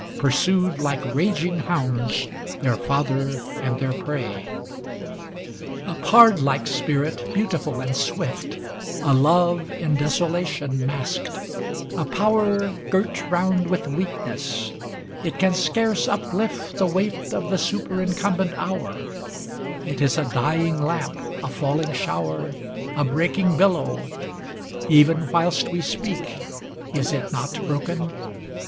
Pursued, like raging hounds, their father and their prey. XXXII A pard like Spirit beautiful and swift ŌĆö A love in desolation masked ; ŌĆö a Power Girt round with weakness; ŌĆö it can scarce uplift The weight of the superincumbent hour; It is a dying lamp, a falling shower, A breaking billow; ŌĆö even whilst we speak Is it not broken